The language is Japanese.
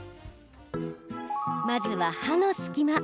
まずは歯の隙間。